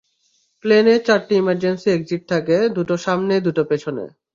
প্লেনে চারটে emergency exit থাকে, দুটো সামনে এবং দুটো পেছনে।